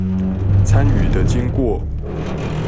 參與的經過